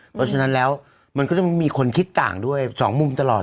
เพราะฉะนั้นแล้วมันก็จะมีคนคิดต่างด้วย๒มุมตลอด